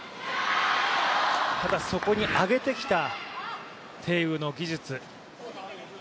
ただそこに上げてきた鄭雨の技術。